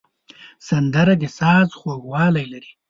سندره د ساز خوږوالی لري